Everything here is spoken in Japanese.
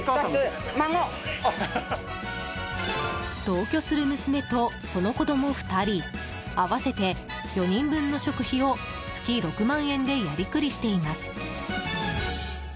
同居する娘と、その子供２人合わせて４人分の食費を月６万円でやりくりしています。